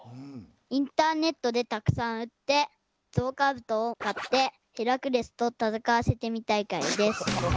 インターネットでたくさんうってゾウカブトをかってヘラクレスとたたかわせてみたいからです。